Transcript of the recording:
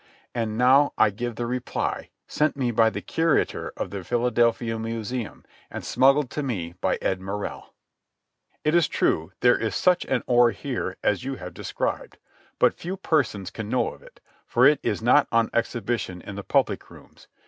I now give the reply, sent me by the curator of the Philadelphia Museum, and smuggled to me by Ed Morrell: "It is true there is such an oar here as you have described. But few persons can know of it, for it is not on exhibition in the public rooms.